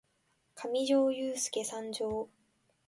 かみじょーゆーすーけ参上！